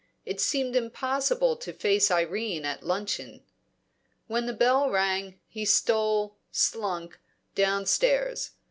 It seemed impossible to face Irene at luncheon. When the bell rang, he stole, slunk, downstairs.